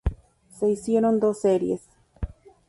Se hicieron dos series.